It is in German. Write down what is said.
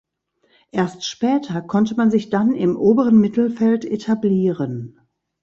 Erst später konnte man sich dann im oberen Mittelfeld etablieren.